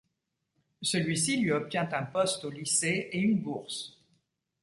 Celui-ci lui obtient un poste au lycée et une bourse.